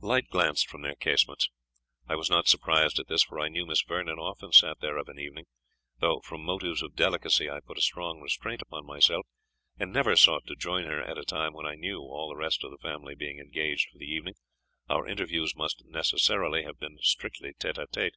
Light glanced from their casements. I was not surprised at this, for I knew Miss Vernon often sat there of an evening, though from motives of delicacy I put a strong restraint upon myself, and never sought to join her at a time when I knew, all the rest of the family being engaged for the evening, our interviews must necessarily have been strictly _tete a' tete.